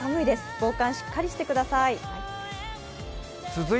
防寒しっかりしてください。